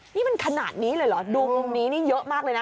นี่มันขนาดนี้เลยเหรอดูมุมนี้นี่เยอะมากเลยนะ